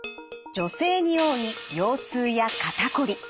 女性に多い腰痛や肩こり。